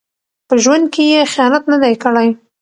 په ژوند کې یې خیانت نه دی کړی.